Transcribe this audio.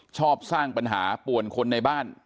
ชอบสร้างปัญหาป่วนคนในบ้าน